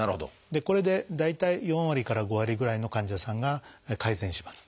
これで大体４割から５割ぐらいの患者さんが改善します。